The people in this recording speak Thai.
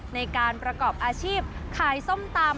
ในการประกอบอาชีพขายส้มตำ